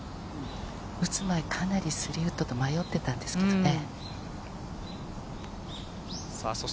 打つ前、かなりスリーウッドと迷ってたんですけどね。